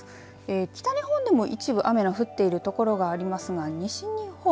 北日本でも一部雨の降っている所がありますが西日本、